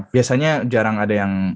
biasanya jarang ada yang